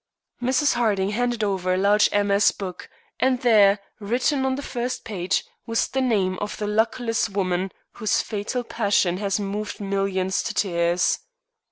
Mrs. Harding handed over a large MS. book, and there, written on the first page, was the name of the luckless woman whose fatal passion has moved millions to tears.